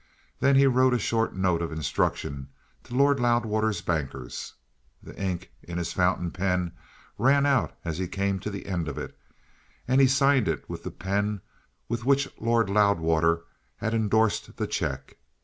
Then he wrote a short note of instructions to Lord Loudwater's bankers. The ink in his fountain pen ran out as he came to the end of it, and he signed it with the pen with which Lord Loudwater had endorsed the cheque.